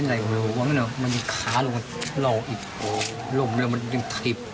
โอ้โหมันพยายามทำนิ่ง